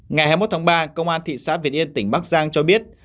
ngày hai mươi một tháng ba công an thị xã việt yên tỉnh bắc giang cho biết